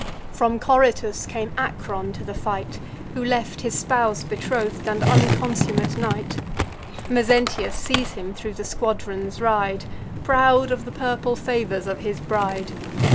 From Coritus came Acron to the fight, Who left his spouse betroth'd, and unconsummate night. Mezentius sees him thro' the squadrons ride, Proud of the purple favours of his bride.